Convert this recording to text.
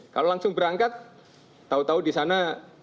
kalau langsung berangkat tahu tahu di sana